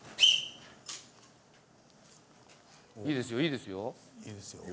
いいですよいいですよ。